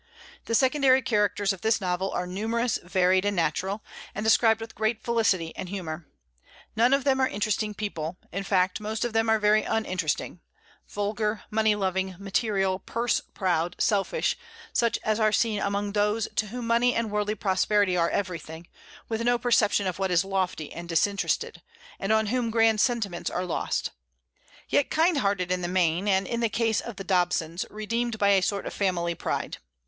The secondary characters of this novel are numerous, varied, and natural, and described with great felicity and humor. None of them are interesting people; in fact, most of them are very uninteresting, vulgar, money loving, material, purse proud, selfish, such as are seen among those to whom money and worldly prosperity are everything, with no perception of what is lofty and disinterested, and on whom grand sentiments are lost, yet kind hearted in the main, and in the case of the Dobsons redeemed by a sort of family pride.